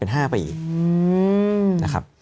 เป็น๕ปี